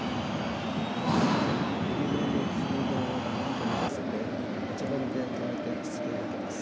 えりぐりにフードを中表に合わせて待ち針で留めてしつけをかけます。